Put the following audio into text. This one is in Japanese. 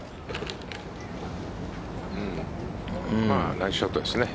ナイスショットですね。